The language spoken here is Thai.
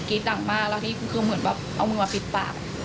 ดังมากแล้วนี่คือเหมือนแบบเอามือมาปิดปาก